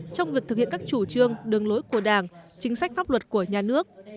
trong việc thực hiện các chủ trương đường lối của đảng chính sách pháp luật của nhà nước